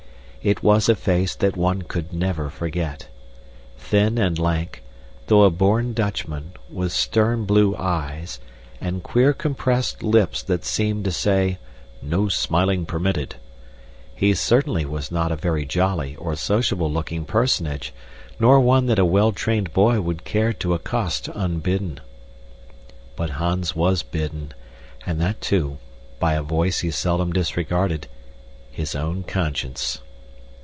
It was a face that one could never forget. Thin and lank, though a born Dutchman, with stern blue eyes, and queer compressed lips that seemed to say "No smiling permitted," he certainly was not a very jolly or sociable looking personage, nor one that a well trained boy would care to accost unbidden. But Hans WAS bidden, and that, too, by a voice he seldom disregarded his own conscience.